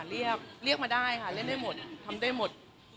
เรียกเรียกมาได้ค่ะเล่นได้หมดทำได้หมด